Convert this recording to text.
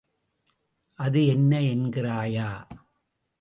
அது என்ன என்கிறாயா?